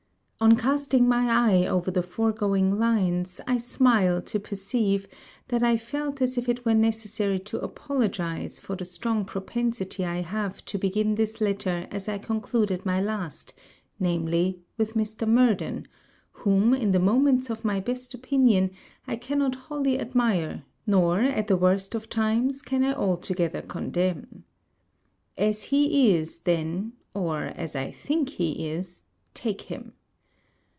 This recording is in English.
On casting my eye over the foregoing lines, I smile to perceive that I felt as if it were necessary to apologize for the strong propensity I have to begin this letter as I concluded my last, namely, with Mr. Murden; whom, in the moments of my best opinion, I cannot wholly admire, nor, at the worst of times, can I altogether condemn. As he is, then, or as I think he is, take him.